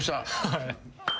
はい。